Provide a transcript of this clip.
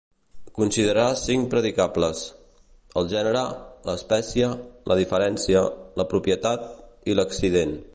Considerà cinc predicables: el gènere, l'espècie, la diferència, la propietat i l'accident.